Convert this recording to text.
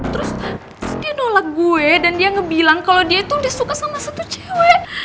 terus dia nolak gue dan dia ngebilang kalo dia tuh udah suka sama satu cewek